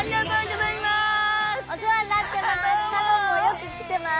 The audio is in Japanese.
お世話になってます！